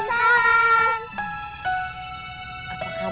ibu ayo kita masuk ke dalam